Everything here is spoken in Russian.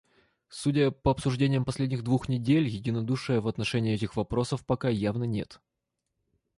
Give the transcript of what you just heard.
Судя по обсуждениям последних двух недель, единодушия в отношении этих вопросов пока явно нет.